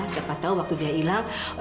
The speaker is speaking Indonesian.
siapa tahu waktu dia hilal